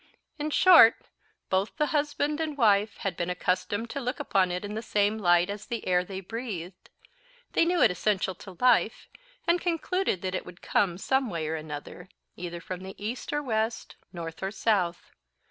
In short, both the husband and wife had been accustomed to look upon it in the same light as the air they breathed. They knew it essential to life, and concluded that it would come some way or other; either from the east or west, north or south.